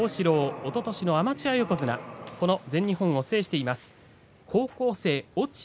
おととしのアマチュア横綱この全日本を制しています。